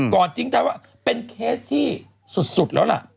จริงใจว่าเป็นเคสที่สุดแล้วล่ะ